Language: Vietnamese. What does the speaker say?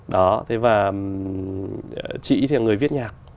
đó thế và chị thì người viết nhạc